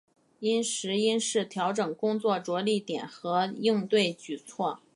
因时因势调整工作着力点和应对举措